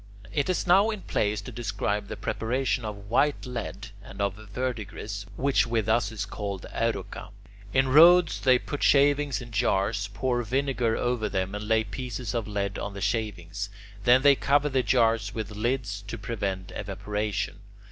It is now in place to describe the preparation of white lead and of verdigris, which with us is called "aeruca." In Rhodes they put shavings in jars, pour vinegar over them, and lay pieces of lead on the shavings; then they cover the jars with lids to prevent evaporation.